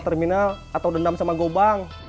terminal atau dendam sama gobang